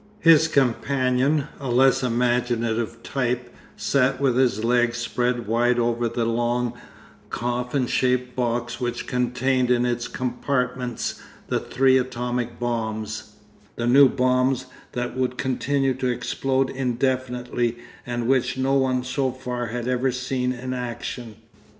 His companion, a less imaginative type, sat with his legs spread wide over the long, coffin shaped box which contained in its compartments the three atomic bombs, the new bombs that would continue to explode indefinitely and which no one so far had ever seen in action.